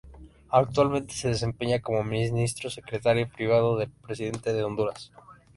Actualmente se desempeña como Ministro Secretario Privado del Presidente de Honduras.